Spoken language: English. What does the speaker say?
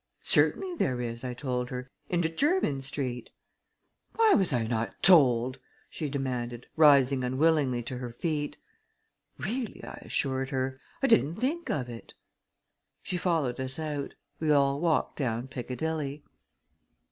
"Certainly there is," I told her; "into Jermyn Street." "Why was I not told?" she demanded, rising unwillingly to her feet. "Really," I assured her, "I didn't think of it." She followed us out. We all walked down Piccadilly.